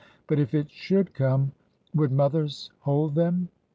But if it should come — would mo thers hold them